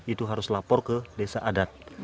itu harus lapor ke desa adat